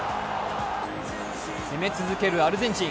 攻め続けるアルゼンチン。